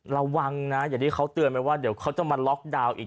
ระวังนะอย่างที่เขาเตือนไปว่าเดี๋ยวเขาจะมาล็อกดาวน์อีก